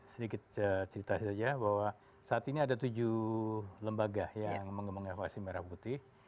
sedikit cerita saja bahwa saat ini ada tujuh lembaga yang mengevasi merah putih